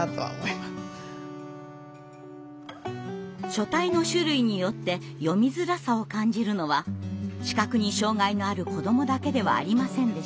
書体の種類によって読みづらさを感じるのは視覚に障害のある子どもだけではありませんでした。